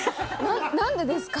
何でですか？